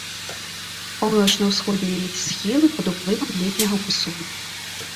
Паўночна-ўсходнія схілы пад уплывам летняга мусону.